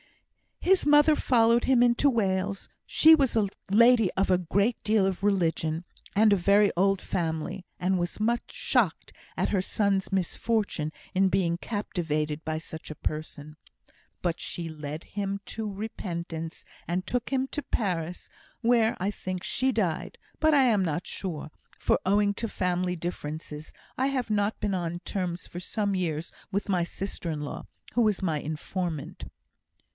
His mother followed him into Wales. She was a lady of a great deal of religion, and of a very old family, and was much shocked at her son's misfortune in being captivated by such a person; but she led him to repentance, and took him to Paris, where, I think, she died; but I am not sure, for, owing to family differences, I have not been on terms for some years with my sister in law, who was my informant."